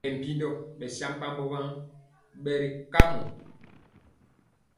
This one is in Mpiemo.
Bɛ mpindo besampabó waŋ bɛri kamɔ.